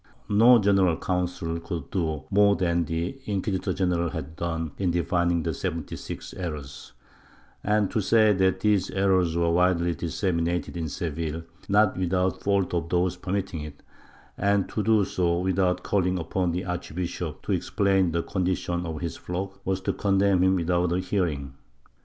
No general council could do more than the inquisitor general had done in defining the seventy six errors, and to say that these errors were widely disseminated in Seville, not without fault of those permitting it, and to do so without calling upon the archbishop to explain the condition of his flock, was to condemn him without a hearing.